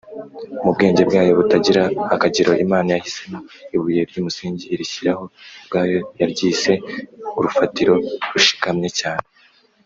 mu bwenge bwayo butagira akagero, imana yahisemo ibuye ry’umusingi, irishyiraho ubwayo yaryise ‘urufatiro rushikamye cyane